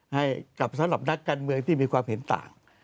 ให้กับสำหรับนักการเมืองที่มีความเห็นต่าง